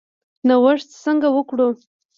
نوښت څنګه وکړو؟